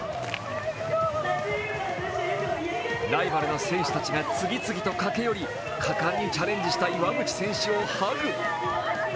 ライバルの選手たちが次々と駆け寄り、果敢にチャレンジした岩渕選手をハグ。